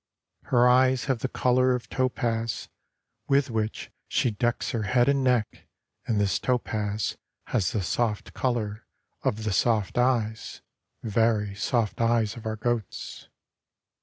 Her eyes have the colour of topaz With which she decks her head and neck And this topaz has the soft colour Of the soft eyes, very soft eyes of our goats.